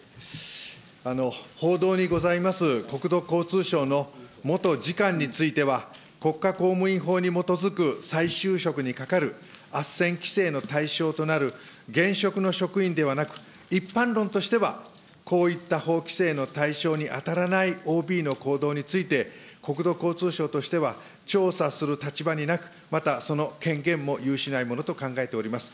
報道にございます国土交通省の元次官については、国家公務員法に基づく再就職にかかるあっせん規制の対象となる現職の職員ではなく、一般論としては、こういった法規制の対象に当たらないＯＢの行動について、国土交通省としては調査する立場になく、また、その権限も有しないものと考えております。